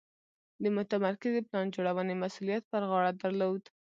د متمرکزې پلان جوړونې مسوولیت پر غاړه درلود.